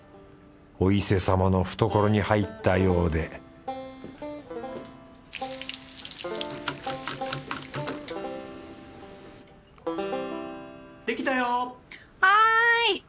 お伊勢様の懐に入ったようでできたよ！